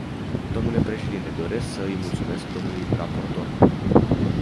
Dle președinte, doresc să îi mulțumesc dlui raportor.